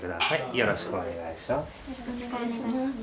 よろしくお願いします。